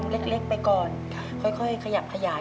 เงินเงินเงินเงิน